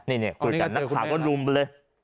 นี่เนี่ยคุณกันนักฐานว่ารุมไปเลย